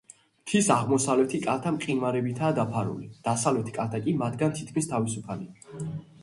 მთის აღმოსავლეთი კალთა მყინვარებითაა დაფარული, დასავლეთი კალთა კი მათგან თითქმის თავისუფალია.